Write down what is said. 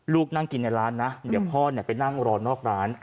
นั่งกินในร้านนะเดี๋ยวพ่อไปนั่งรอนอกร้าน